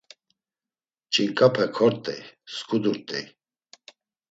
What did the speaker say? Ç̌inǩape kort̆ey, sǩudurt̆ey.